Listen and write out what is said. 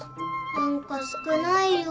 何か少ないよ？